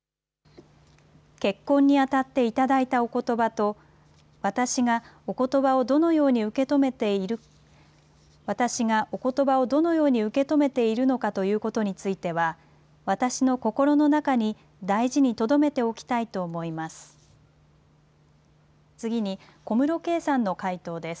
結婚にあたって頂いたおことばと、私がおことばをどのように受け止めているのかということについては、私の心の中に大事にとどめておきたいと思います。